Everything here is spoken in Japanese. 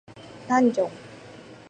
ダンジョン